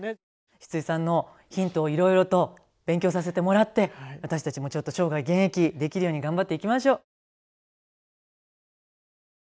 シツイさんのヒントをいろいろと勉強させてもらって私たちもちょっと生涯現役できるように頑張っていきましょう。